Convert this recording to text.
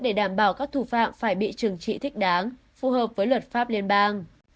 để đảm bảo các thủ phạm phải bị trừng trị thích đáng phù hợp với luật pháp liên bang